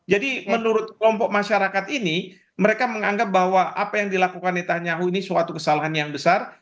jadi menurut kelompok masyarakat ini mereka menganggap bahwa apa yang dilakukan netanyahu ini suatu kesalahan yang besar